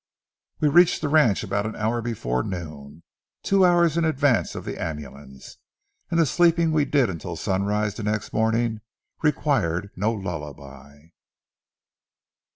We reached the ranch an hour before noon, two hours in advance of the ambulance; and the sleeping we did until sunrise the next morning required no lullaby.